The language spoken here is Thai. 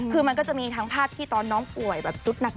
คือมันก็จะมีทั้งภาพที่ตอนน้องป่วยแบบสุดหนัก